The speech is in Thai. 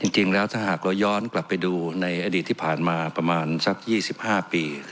จริงแล้วถ้าหากเราย้อนกลับไปดูในอดีตที่ผ่านมาประมาณสัก๒๕ปี